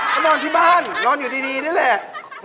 พี่นอนที่บ้านนอนอยู่ดีด้วยแหละ